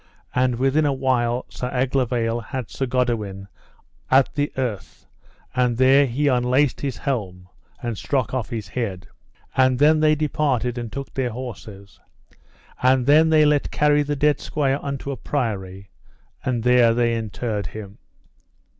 And within a while Sir Aglovale had Sir Goodewin at the earth, and there he unlaced his helm, and struck off his head. And then they departed and took their horses; and then they let carry the dead squire unto a priory, and there they interred him.